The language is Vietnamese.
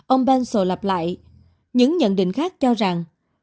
ông pencil lặp lại những nhận định khác cho rằng